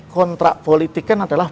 kontrak politikkan adalah